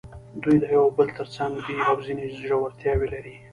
دوی د یو او بل تر څنګ دي او ځینې ژورتیاوې لري.